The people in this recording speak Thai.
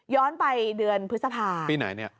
ไปเดือนพฤษภาปีไหนเนี่ย